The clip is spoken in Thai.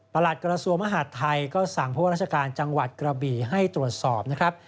ประหลัดกรสัวมหาดไทยก็สั่งพวกราชการจังหวัดกระบีให้ตรวจสอบนะครับ